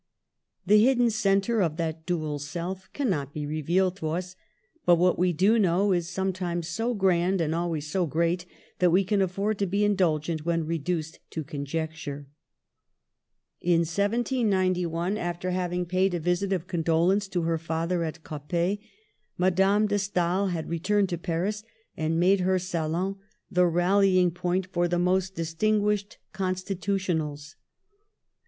The hidden centre of that dual self cannot be revealed to us ; but what we do know is some times so grand and always so great that we can afford to be indulgent when reduced to conject ure. In 1791, after having paid a visit of condolence to her father at Coppet, Madame de Stael had returned to Paris, and made her salon the rally ing point for the most distinguished Constitu Digitized by VjOOQLC IS COURAGEOUS FOR HER FRIENDS. $J tionels.